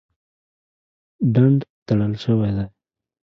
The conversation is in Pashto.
ډنډ تړل شوی دی.